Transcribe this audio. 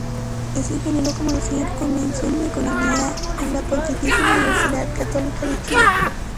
Es ingeniero comercial con mención en economía de la Pontificia Universidad Católica de Chile.